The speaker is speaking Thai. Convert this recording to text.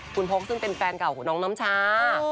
คุณพกซึ่งเป็นแฟนเก่าของน้องน้ำชา